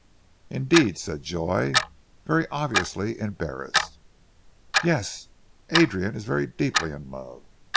"Indeed," said Joy, very obviously embarrassed. "Yes! Adrian is very deeply in love.